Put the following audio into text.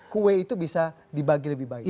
kue itu bisa dibagi lebih baik